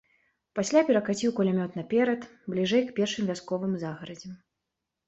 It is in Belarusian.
Пасля перакаціў кулямёт наперад, бліжэй к першым вясковым загарадзям.